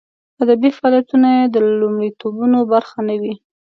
ادبي فعالیتونه یې د لومړیتوبونو برخه نه وي.